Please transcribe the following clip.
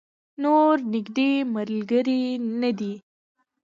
نور نږدې ملګری نه دی.